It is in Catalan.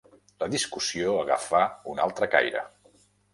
La discussió agafà un altre caire.